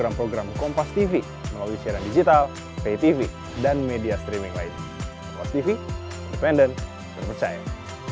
jangan lupa untuk berlangganan